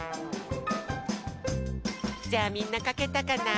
じゃあみんなかけたかな？